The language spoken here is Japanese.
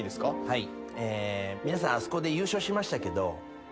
はい。